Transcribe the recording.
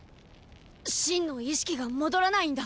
信の意識が戻らないんだ。